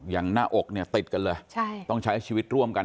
หน้าอกเนี่ยติดกันเลยต้องใช้ชีวิตร่วมกัน